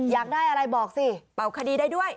อยากได้อะไรบอกสิเป่าคดีได้ด้วย